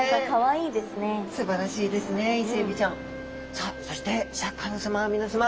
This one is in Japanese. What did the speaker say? さあそしてシャーク香音さま皆さま。